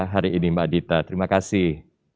hari ini mbak dita terima kasih